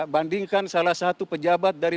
bandingkan salah satu pejabat dari